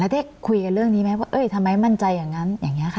ได้คุยกันเรื่องนี้ไหมว่าทำไมมั่นใจอย่างนั้นอย่างนี้ค่ะ